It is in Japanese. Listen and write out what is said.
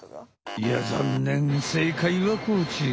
いやざんねん正解はこちら。